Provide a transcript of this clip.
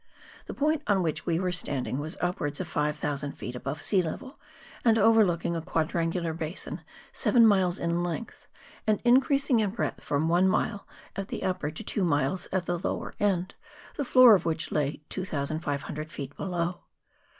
The point on which we were standing was upwards of 5,000 ft. above sea level, and overlooking a quadrangular basin, seven miles in length, and increasing in breadth from one mile at the upper to two miles at the lower end, the floor of which lay 2,500 ft. below.